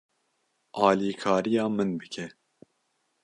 Alîkariya min bike.